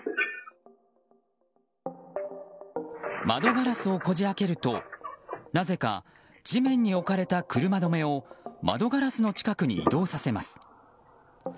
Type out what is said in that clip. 窓ガラスをこじ開けるとなぜか地面に置かれた車止めを窓ガラスの近くに移動させます。